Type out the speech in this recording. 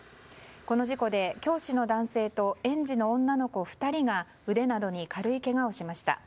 この事故で教師の男性と園児の女の子２人が腕などに軽いけがをしました。